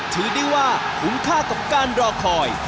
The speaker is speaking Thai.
ถือได้ว่าคุ้มค่ากับการรอคอย